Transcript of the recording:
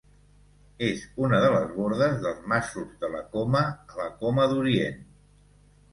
És una de les bordes dels Masos de la Coma, a la Coma d'Orient.